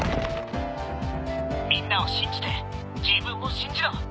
みんなを信じて自分も信じろ。